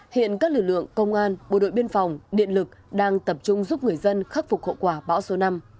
hiện các lực lượng công an bộ đội biên phòng điện lực đang tập trung giúp người dân khắc phục hậu quả bão số năm